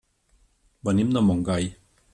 Venim de Montgai.